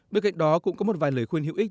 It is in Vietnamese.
bên cạnh đó cũng có một vài lời khuyên hữu ích